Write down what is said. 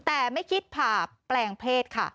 แต่ไม่คิดผ่าแปลงเพศค่ะ